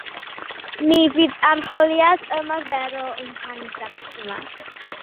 Mi fydd arholiad ymarferol yn rhan o'r dasg yma